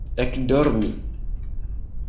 ekdormi